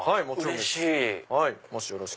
うれしい！